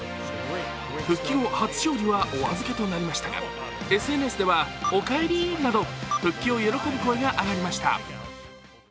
復帰後初勝利はお預けとなりましたが、ＳＮＳでは「お帰り」など復帰を喜ぶ声が上がりました。